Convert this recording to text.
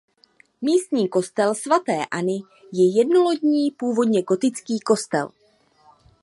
Místní kostel svaté Anny je jednolodní původně gotický kostel.